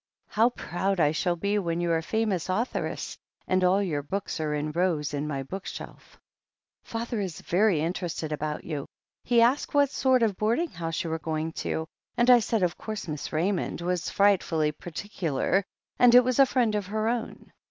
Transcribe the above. How proud I shall 'be when you're a famous juthoress, and all your books are in rows in my bookshelf. "Father is very interested about you. He asked what sort of boarding house you were going to, and I said of course Miss Raymond was frightfully partic ular, and it was a friend of her own.